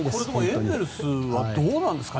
エンゼルスはどうなんですか。